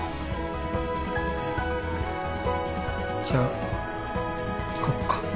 じゃあ行こっか。